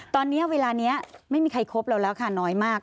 ตอนนี้เวลานี้ไม่มีใครคบเราแล้วค่ะน้อยมาก